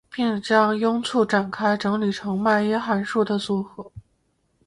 并将簇展开整理成迈耶函数的组合。